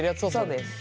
そうです。